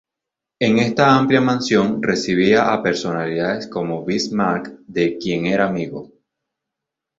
En esta amplia mansión recibía a personalidades como Bismarck, de quien era amigo.